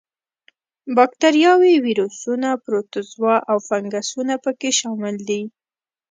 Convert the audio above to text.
با کتریاوې، ویروسونه، پروتوزوا او فنګسونه په کې شامل دي.